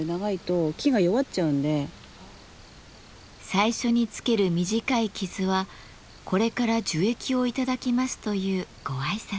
最初につける短い傷はこれから樹液を頂きますというご挨拶。